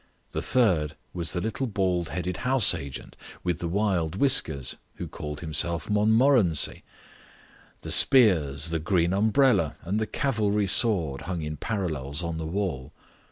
The third was the little bald headed house agent with the wild whiskers, who called himself Montmorency. The spears, the green umbrella, and the cavalry sword hung in parallels on the wall.